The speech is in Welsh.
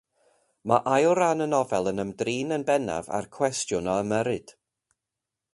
Mae ail ran y nofel yn ymdrin yn bennaf â'r cwestiwn o ymyrryd.